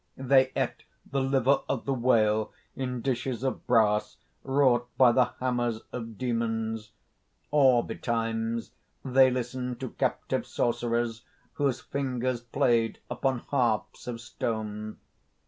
They ate the liver of the whale in dishes of brass wrought by the hammers of demons; or, betimes, they listened to captive sorcerers whose fingers played upon harps of stone.